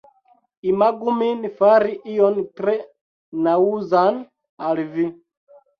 Imagu min fari ion tre naŭzan al vi